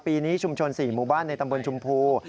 ปีนี้ชุมชน๔หมู่บ้านในตำบลชมพู